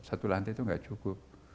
satu lantai itu tidak cukup